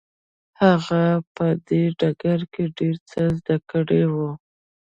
هغه په دې ډګر کې ډېر څه زده کړي وو.